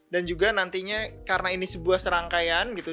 dan juga nantinya karena ini sebuah serangkaian gitu